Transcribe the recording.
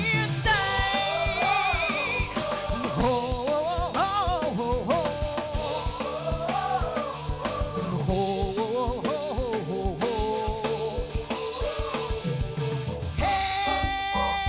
ทวงคำนองที่ตัวฉันนั้นมั่นใจ